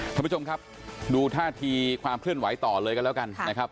ท่านผู้ชมครับดูท่าทีความเคลื่อนไหวต่อเลยกันแล้วกันนะครับ